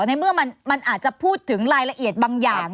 ในเมื่อมันอาจจะพูดถึงรายละเอียดบางอย่าง